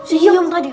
si yang tadi